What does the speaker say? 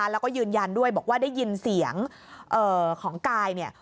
แล้วก็ยืนยันด้วยบอกว่าได้ยินเสียงของกายเนี่ย